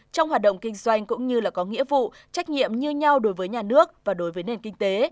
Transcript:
trong hoạt động kinh doanh cũng như có nghĩa vụ trách nhiệm như nhau đối với nhà nước và đối với nền kinh tế